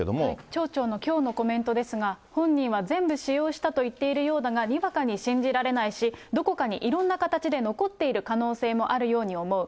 町長のきょうのコメントですが、本人は全部使用したと言っているようだが、にわかに信じられないし、どこかにいろんな形で残っている可能性もあるように思う。